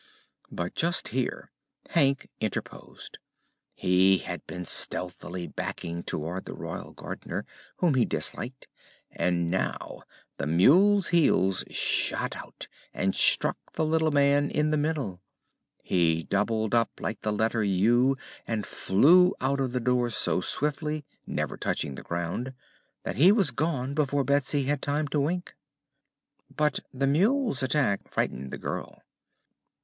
But just here Hank interposed. He had been stealthily backing toward the Royal Gardener, whom he disliked, and now the mule's heels shot out and struck the little man in the middle. He doubled up like the letter "U" and flew out of the door so swiftly never touching the ground that he was gone before Betsy had time to wink. But the mule's attack frightened the girl.